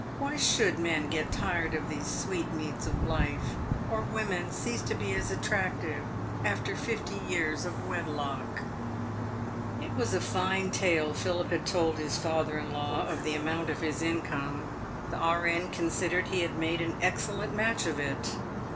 Why should men get tired of these sweet meats of life, or women cease to be as attractive after fifty years of wedlock ! It was a fine tale Philip had told his father in law of the amount of his income. The R.N. considered he had made an excellent match of it.